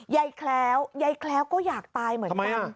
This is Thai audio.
แคล้วยายแคล้วก็อยากตายเหมือนกัน